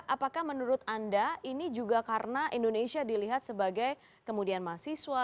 apakah menurut anda ini juga karena indonesia dilihat sebagai kemudian mahasiswa